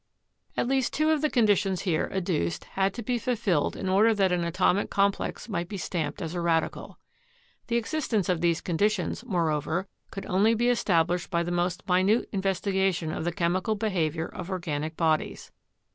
At least two of the conditions here adduced had to be fulfilled in order that an atomic complex might be stamped as a radical. The existence of these conditions, moreover, could only be established by the most minute investigation of the chemical behavior of organic bodies.